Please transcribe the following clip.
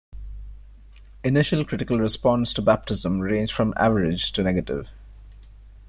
Initial critical response to "Baptism" ranged from average to negative.